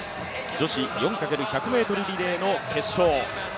女子４×１００ｍリレーの決勝。